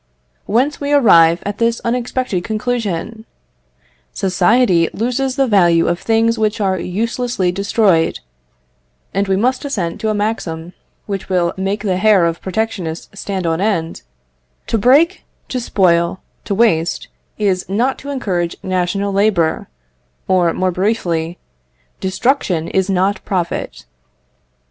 Whence we arrive at this unexpected conclusion: "Society loses the value of things which are uselessly destroyed;" and we must assent to a maxim which will make the hair of protectionists stand on end To break, to spoil, to waste, is not to encourage national labour; or, more briefly, "destruction is not profit."